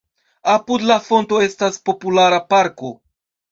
Apud la fonto estas populara parko.